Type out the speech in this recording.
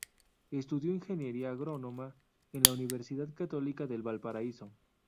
Estudió ingeniería agrónoma en la Universidad Católica de Valparaíso.